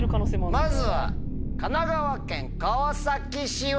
まずは神奈川県川崎市は？